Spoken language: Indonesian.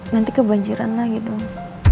nanti kebanjiran lagi dong